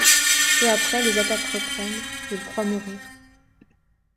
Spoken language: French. Peu après, les attaques reprennent, et il croit mourir.